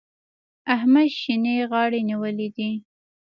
احمد شينې غاړې نيولی دی.